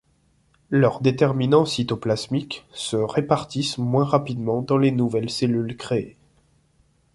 Leurs déterminants cytoplasmiques se répartissent moins rapidement dans les nouvelles cellules créées.